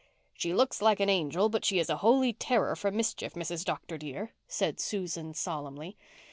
"She looks like an angel but she is a holy terror for mischief, Mrs. Dr. dear," said Susan solemnly.